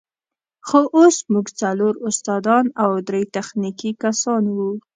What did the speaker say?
خو اوس موږ څلور استادان او درې تخنیکي کسان وو.